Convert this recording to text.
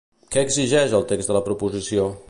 Què exigeix el text de la proposició?